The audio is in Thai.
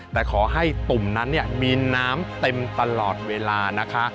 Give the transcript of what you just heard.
แต่ขอให้ตุ่มนั้นมีน้ำเต็มตลอดเวลานะคะ